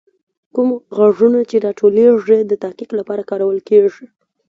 کوم غږونه چې راټولیږي، د تحقیق لپاره کارول کیږي.